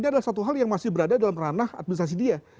ini adalah satu hal yang masih berada dalam ranah administrasi dia